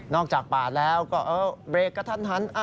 จากปาดแล้วก็เบรกกระทันหัน